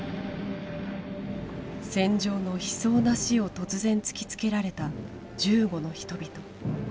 戦場の悲壮な死を突然突きつけられた銃後の人々。